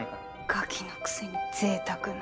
ガキのくせに贅沢な。